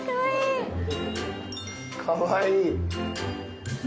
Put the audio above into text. かわいい。